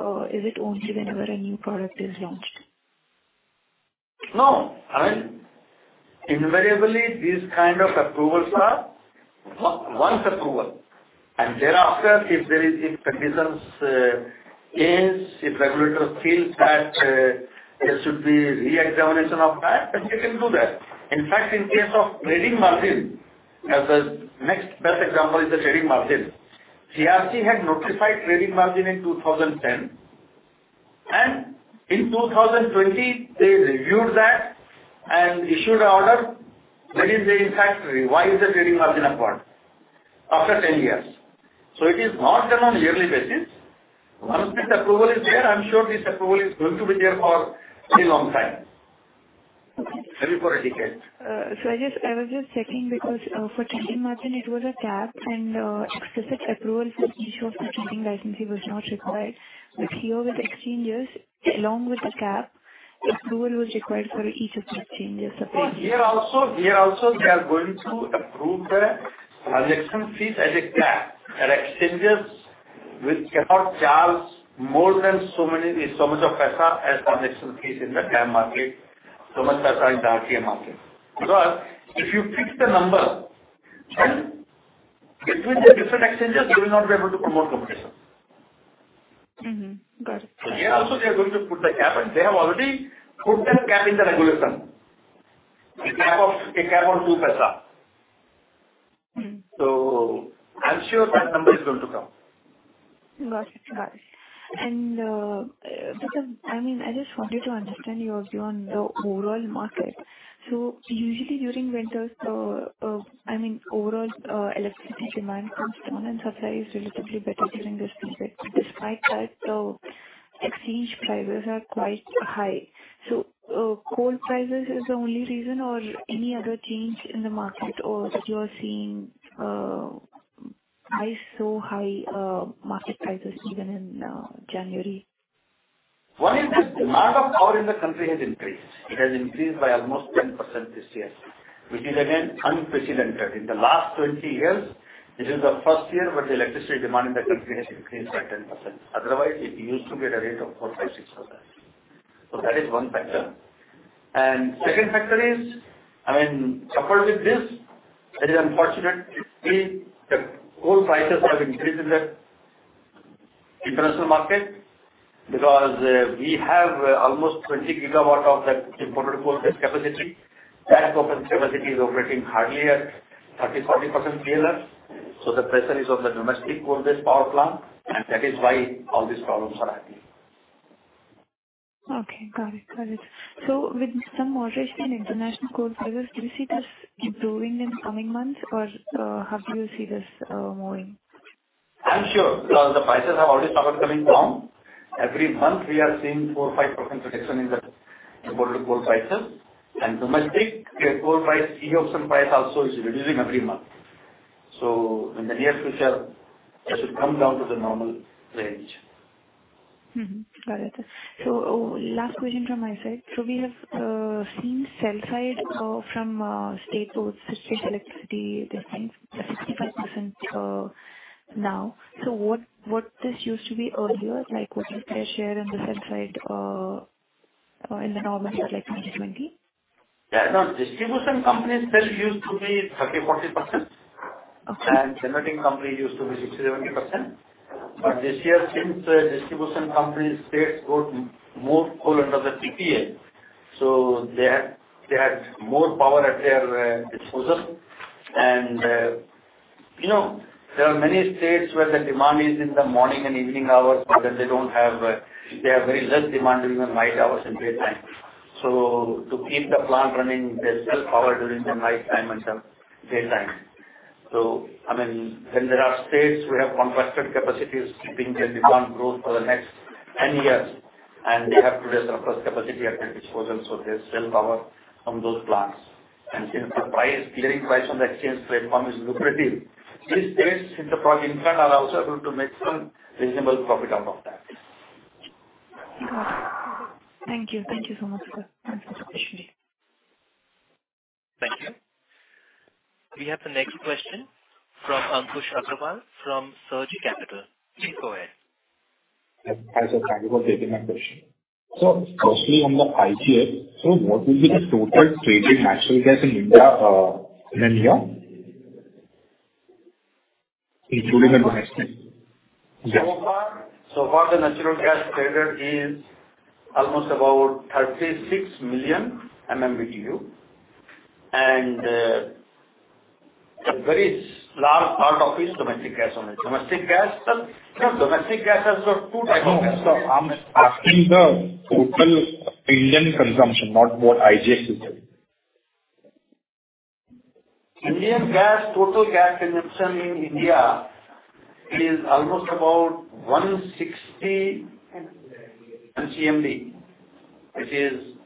or is it only whenever a new product is launched? No. I mean, invariably these kind of approvals are once approval. Thereafter, if conditions change, if regulator feels that there should be re-examination of that, they can do that. In fact, in case of trading margin, as the next best example is the trading margin. CERC had notified trading margin in 2010, in 2020 they reviewed that and issued a order that is the impact trading. Why is the trading margin upward after 10-years? It is not done on yearly basis. Once this approval is there, I'm sure this approval is going to be there for a long time. Okay. Maybe for a decade. I was just checking because, for trading margin it was a cap and, explicit approval for issue of trading licensee was not required. Here with exchanges, along with the cap, approval is required for each of the exchanges separately. Here also they are going to approve the transaction fees as a cap. Exchanges which cannot charge more than so many, so much of paisa as transaction fees in the DAM market, so much paisa in the RKE market. If you fix the number, then between the different exchanges they will not be able to promote competition. Mm-hmm. Got it. Here also they are going to put the cap, and they have already put the cap in the regulation. A cap on 0.02. Mm-hmm. I'm sure that number is going to come. Got it. Got it. Just, I mean, I just wanted to understand your view on the overall market. Usually during winters, I mean, overall electricity demand comes down and supply is relatively better during this period. Despite that, the exchange prices are quite high. Coal prices is the only reason or any other change in the market or that you are seeing price so high, market prices even in January? One is the demand of power in the country has increased. It has increased by almost 10% this year, which is again unprecedented. In the last 20 years, this is the 1st year where the electricity demand in the country has increased by 10%. Otherwise, it used to be at a rate of 4%, 5%, 6%. That is one factor. Second factor is, coupled with this, it is unfortunate to see that coal prices have increased in the international market because we have almost 20 gigawatt of that imported coal based capacity. That open capacity is operating hardly at 30%-40% PLF. The pressure is on the domestic coal based power plant, and that is why all these problems are happening. Okay. Got it. Got it. With some moderation in international coal prices, do you see this improving in coming months or how do you see this moving? I'm sure, because the prices have already started coming down. Every month we are seeing 4-5% reduction in the imported coal prices. Domestic coal price, key e-auction price also is reducing every month. In the near future, it should come down to the normal range. Got it. Last question from my side. We have seen sell side from state boards, state electricity, they're saying 65% now. What this used to be earlier? Like, what is their share in the sell side? In the normal year, like 2020? Distribution companies then used to be 30%-40%. Okay. Generating company used to be 60%-70%. This year, since the distribution company states got more coal under the PPA, they had more power at their disposal. You know, there are many states where the demand is in the morning and evening hours, but then they don't have very less demand during the night hours and daytime. To keep the plant running, they sell power during the nighttime and some daytime. I mean, when there are states who have constructed capacities keeping their demand growth for the next 10 years, and they have to raise surplus capacity at their disposal, so they sell power from those plants. Since the price, clearing price on the exchange trade platform is lucrative, these states in the product in turn are also able to make some reasonable profit out of that. Got it. Thank you. Thank you so much, sir. Thanks for explaining. Thank you. We have the next question from Ankush Agrawal from Surge Capital. Please go ahead. Yes. Hi, sir. Thank you for taking my question. Firstly, on the IGX, what will be the total traded natural gas in India, in a year, including the domestic? Yes. The natural gas traded is almost about 36 million MMBtu. A very large part of it is domestic gas only. Domestic gas, sir. No, domestic gas has two types of I'm asking the total Indian consumption, not what IGX is saying. Indian gas, total gas consumption in India is almost about 160 MMSCMD. It is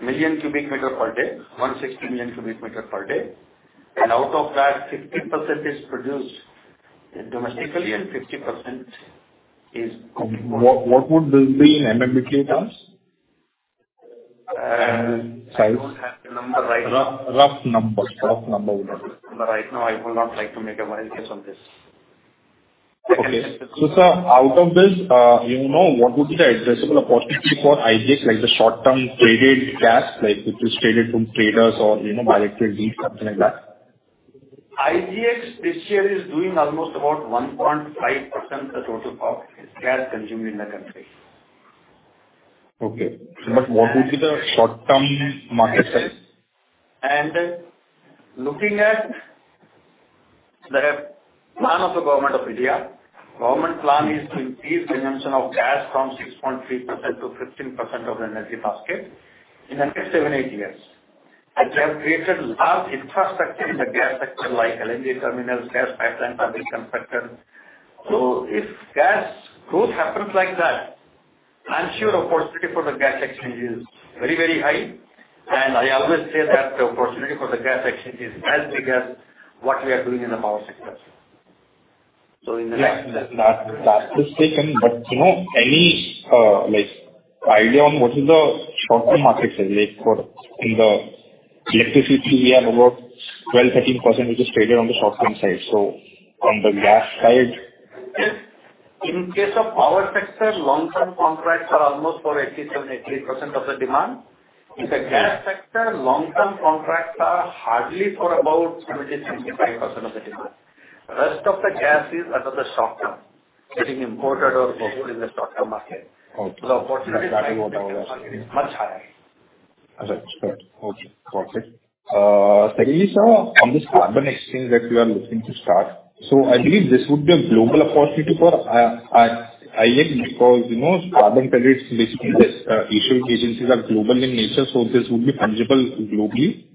million cubic meter per day, 160 million cubic meter per day. Out of that, 50% is produced domestically and 50% is imported. What would this be in MMBtu terms? Uh-. Size. I don't have the number right now. Rough number. Rough number would do. Right now I would not like to make a wild guess on this. Okay. sir, out of this, you know, what would be the addressable opportunity for IGX, like the short-term traded gas, like which is traded from traders or, you know, bilateral deals, something like that? IGX this year is doing almost about 1.5% the total power gas consumed in the country. Okay. What would be the short-term market size? Looking at the plan of the Government of India, government plan is to increase consumption of gas from 6.3% to 15% of the energy basket in the next seven, eight years. They have created large infrastructure in the gas sector like LNG terminals, gas pipeline transmission sector. If gas growth happens like that, I'm sure opportunity for the gas exchange is very, very high. I always say that the opportunity for the gas exchange is as big as what we are doing in the power sector. Yeah. That is taken, you know, any, like idea on what is the short-term market size? In the electricity we have about 12, 13% which is traded on the short-term side. On the gas side. Yes. In case of power sector, long-term contracts are almost for 87%, 80% of the demand. In the gas sector, long-term contracts are hardly for about 70%, 75% of the demand. Rest of the gas is under the short term, getting imported or bought in the short-term market. Okay. The opportunity is much higher. Understood. Okay. Got it. Secondly, sir, on this carbon exchange that you are looking to start, I believe this would be a global opportunity for IGX because, you know, carbon credits basically, these issuing agencies are global in nature. This would be fungible globally.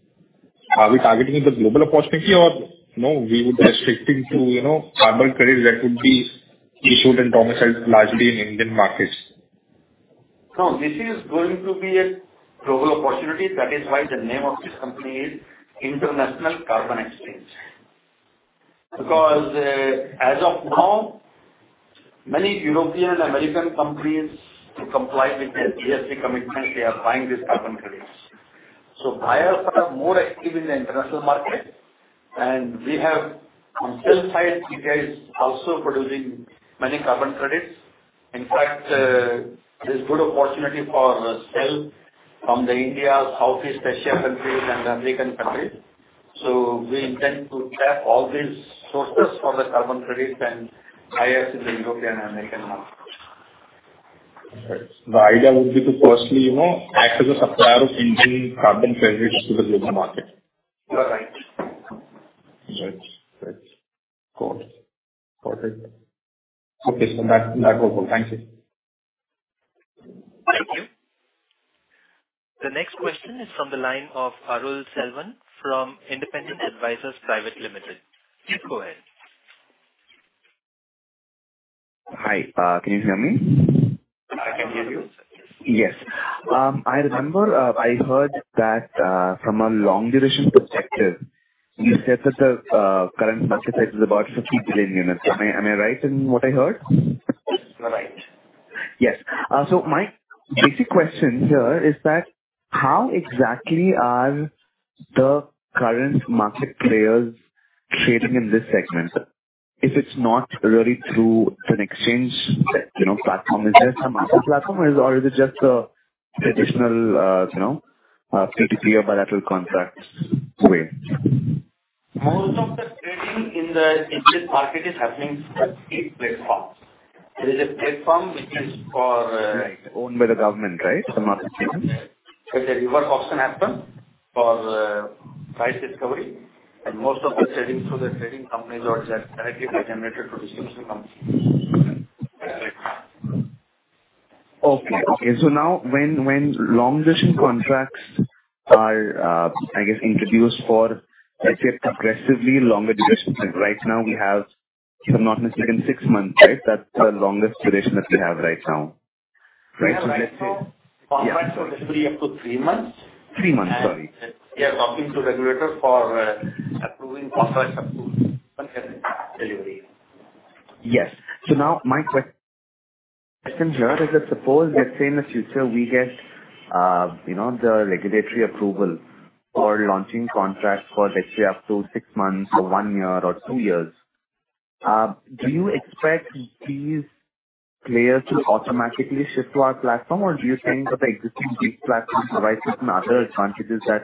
Are we targeting the global opportunity or no, we would be restricting to, you know, carbon credit that would be issued and domiciled largely in Indian markets? This is going to be a global opportunity. That is why the name of this company is International Carbon Exchange. As of now, many European and American companies to comply with their ESG commitment, they are buying these carbon credits. Buyers are more active in the international market. We have on sell side, India is also producing many carbon credits. In fact, there's good opportunity for sell from the India, Southeast Asia countries and African countries. We intend to tap all these sources for the carbon credits and buyers in the European and American markets. The idea would be to firstly, you know, act as a supplier of Indian carbon credits to the global market. You're right. Right. That's got it. Got it. Okay. That's all. Thank you. Thank you. The next question is from the line of Arul Selvan from Independent Advisors Private Limited. Please go ahead. Hi. Can you hear me? I can hear you. Yes. I remember, I heard that, from a long duration perspective, you said that the current market size is about 50 billion units. Am I right in what I heard? You are right. Yes. My basic question here is that how exactly are the current market players trading in this segment? If it's not really through an exchange, you know, platform, is there some other platform or is it just a traditional, you know, P2P or bilateral contract way? Most of the trading in the interest market is happening through the platform. There is a platform which is for. Right. Owned by the government, right? Some of it, yeah. Where the reverse auction happen for, price discovery, and most of the trading through the trading companies are directly by generator to distribution companies. Okay. Now when long duration contracts are, I guess, introduced for, let's say, aggressively longer duration. Like, right now we have, if I'm not mistaken, six months, right? That's the longest duration that we have right now. Right, let's say-. We have right now contracts for delivery up to three months. Three months, sorry. We are talking to regulators for approving contracts up to one year delivery. Yes. Now my question here is that suppose, let's say in the future, we get, you know, the regulatory approval for launching contracts for let's say up to 6 months or 1 year or 2 years. Do you expect these players to automatically shift to our platform, or do you think that the existing big platform provides certain other advantages that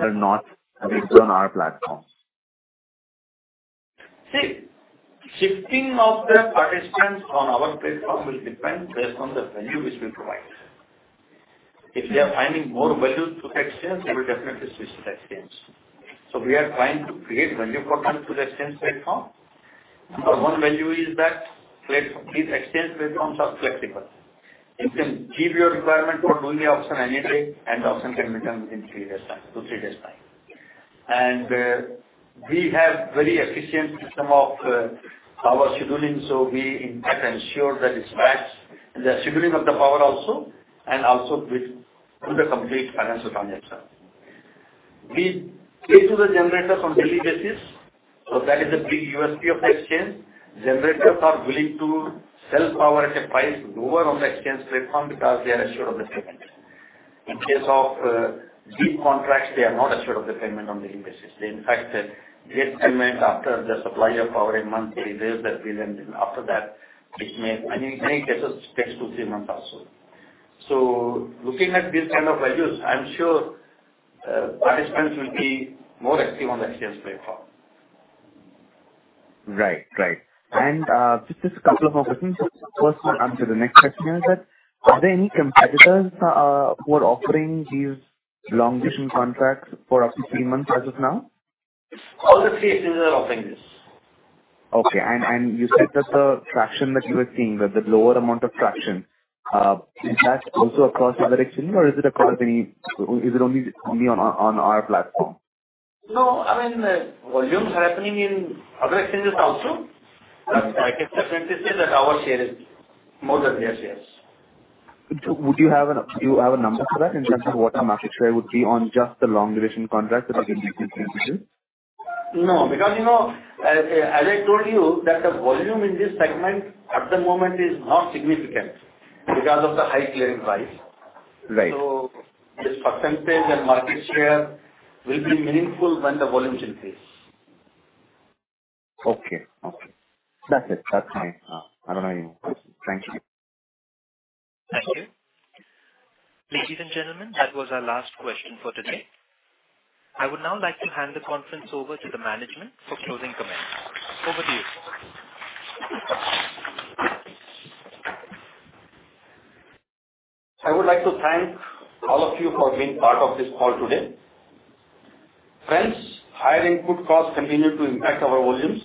are not available on our platform? Shifting of the participants on our platform will depend based on the value which we provide. If they are finding more value through exchange, they will definitely switch to exchange. We are trying to create value for customers to the exchange platform. Our one value is that these exchange platforms are flexible. You can give your requirement for doing the auction any day, and the auction can be done within three days time. We have very efficient system of power scheduling, so we in fact ensure that it matches the scheduling of the power also and also do the complete financial transaction. We pay to the generators on daily basis, so that is a big USP of the exchange. Generators are willing to sell power at a price lower on the exchange platform because they are assured of the payment. In case of these contracts, they are not assured of the payment on daily basis. They in fact get payment after the supply of power in monthly bills that bill and then after that many cases takes two, three months also. Looking at these kind of values, I am sure participants will be more active on the exchange platform. Right. Right. Just a couple of more questions. First one and to the next question is that are there any competitors, who are offering these long duration contracts for up to three months as of now? All the three agencies are offering this. Okay. You said that the fraction that you were seeing, that the lower amount of fraction, is that also across other exchange or is it only on our platform? I mean, volumes are happening in other exchanges also. I can definitely say that our share is more than their shares. Do you have a number for that in terms of what the market share would be on just the long duration contracts that are being? No, because, you know, as I told you that the volume in this segment at the moment is not significant because of the high clearing price. Right. This percentage and market share will be meaningful when the volume increases. Okay. Okay. That's it. That's it. I don't have any more question. Thank you. Thank you. Ladies and gentlemen, that was our last question for today. I would now like to hand the conference over to the management for closing comments. Over to you. I would like to thank all of you for being part of this call today. Friends, higher input costs continue to impact our volumes.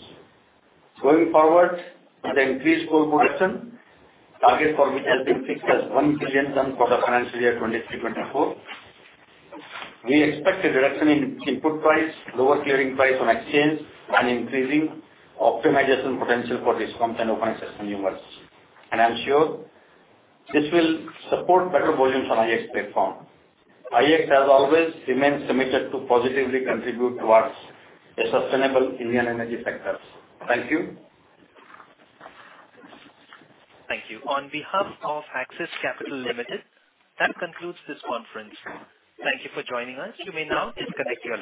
Going forward with increased coal production, target for which has been fixed as 1 billion tonnes for the financial year 2023-2024. We expect a reduction in input price, lower clearing price on exchange, and increasing optimization potential for DISCOMs and open access consumers. I am sure this will support better volumes on IEX platform. IEX has always remained committed to positively contribute towards the sustainable Indian energy sectors. Thank you. Thank you. On behalf of Axis Capital Limited, that concludes this conference. Thank you for joining us. You may now disconnect your lines.